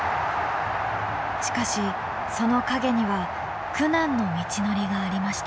しかしその陰には苦難の道のりがありました。